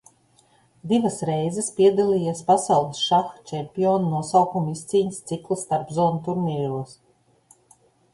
Divas reizes piedalījies Pasaules šaha čempiona nosaukuma izcīņas cikla starpzonu turnīros.